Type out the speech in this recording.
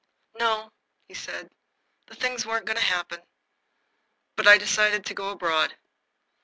"No," he said, "the things weren't going to happen. But I decided to go abroad."